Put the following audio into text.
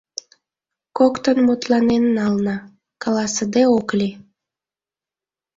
Коктын мутланен нална — каласыде ок лий.